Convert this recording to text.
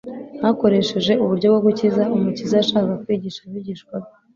hakoresheje uburyo bwo gukiza, Umukiza yashakaga kwigisha abigishwa be.